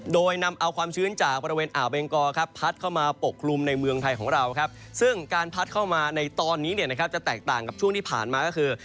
โดยนำเอาความชื้นจากบริเวณอ่าวเบงกอครับพัดเข้ามาปกคลุมในเมืองไทยของเราครับซึ่งการพัดเข้ามาในตอนนี้เนี่ยนะครับจะแตกต่างกับช่วงที่ผ่านมาก็คือ